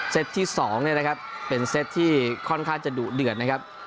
เซตที่๒เป็นเซตที่ค่อนข้างจะดุเดือดนะครับ